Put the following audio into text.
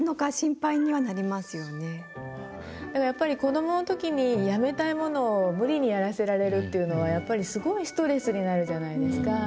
やっぱり子どもの時にやめたいものを無理にやらせられるっていうのはやっぱりすごいストレスになるじゃないですか。